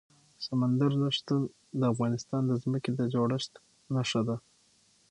سمندر نه شتون د افغانستان د ځمکې د جوړښت نښه ده.